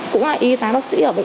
cũng là y tá bác sĩ ở bệnh viện